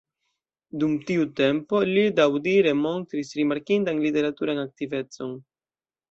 Dum tiu tempo li laŭdire montris rimarkindan literaturan aktivecon.